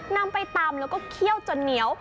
นำไปตำแล้วก็เคี่ยวจนเหนียว